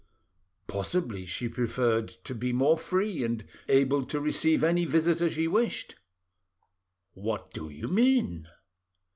"Possibly she preferred to be more free, and able to receive any visitor she wished." "What do you mean?"